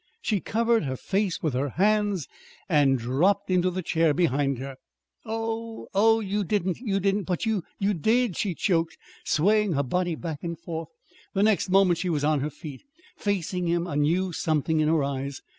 She covered her face with her hands and dropped into the chair behind her. "Oh, oh, you didn't you didn't but you did!" she choked, swaying her body back and forth. The next moment she was on her feet, facing him, a new something in her eyes.